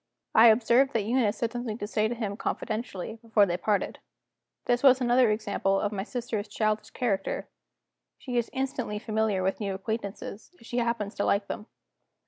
I observed that Eunice had something to say to him confidentially, before they parted. This was another example of my sister's childish character; she is instantly familiar with new acquaintances, if she happens to like them.